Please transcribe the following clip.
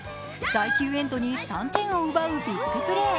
第９エンドに３点を奪うビッグプレー。